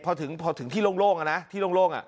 พอถึงพอถึงที่โล่งโล่งอ่ะนะที่โล่งโล่งอ่ะ